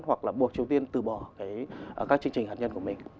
hoặc là buộc triều tiên từ bỏ các chương trình hạt nhân của mình